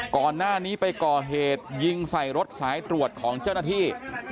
ก่อนหน้านี้ไปก่อเหตุยิงใส่รถสายตรวจของเจ้าหน้าที่